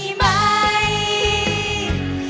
ฮุยฮาฮุยฮารอบนี้ดูทางเวที